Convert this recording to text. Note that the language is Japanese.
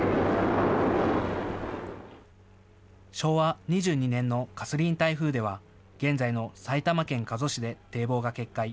昭和２２年のカスリーン台風では現在の埼玉県加須市で堤防が決壊。